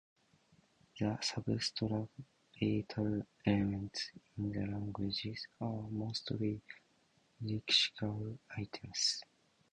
The substratal elements in the languages are mostly lexical items.